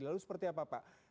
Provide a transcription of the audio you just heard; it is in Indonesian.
lalu seperti apa pak